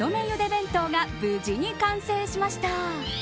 茹で弁当が無事に完成しました。